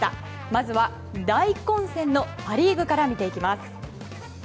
まずは、大混戦のパ・リーグから見ていきます。